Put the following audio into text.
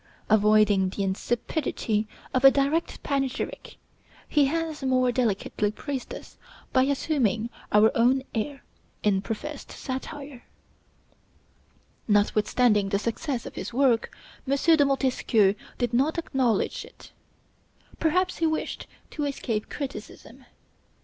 Avoiding the insipidity of a direct panegyric, he has more delicately praised us by assuming our own air in professed satire. Notwithstanding the success of his work, M. de Montesquieu did not acknowledge it. Perhaps he wished to escape criticism.